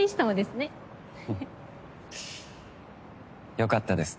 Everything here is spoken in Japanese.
良かったです。